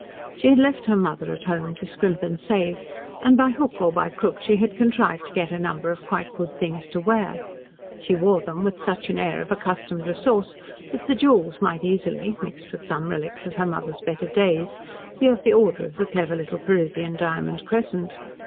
She had left her mother at home to scrimp and save, and by hook or by crook she had contrived to get a number of quite good things to wear. She wore them with such an air of accustomed resource that the jewels might easily mixed with some relics of her mother's better days be of the order of the clever little Parisian diamond crescent.